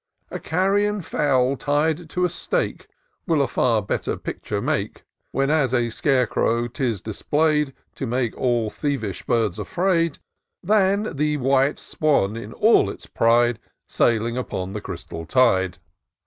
151 A carrion fowl tied to a stake Will a far better picture make, When, as a scare crow, 'tis display'd To make all thievish birds afraid. Than the white swan, in all its pride, Sailing upon the crystal tide.